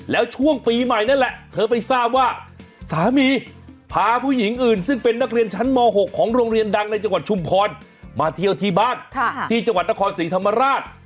แล้วช่วงปีใหม่นั่นแหละเธอไปทราบว่าสามีพาผู้หญิงอื่นซึ่งเป็นนักเรียนชั้นม๖ของโรงเรียนดังในจังหวัดชุมพรมาเที่ยวที่บ้านที่จังหวัดนครศรีธรรมราช